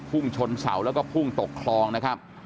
พุ่งชนเสาแล้วก็พุ่งตกคลองนะครับ